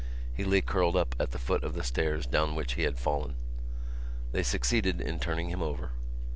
He lay curled up at the foot of the stairs down which he had fallen. They succeeded in turning him over.